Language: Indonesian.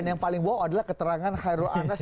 dan yang paling wow adalah keterangan kherul anas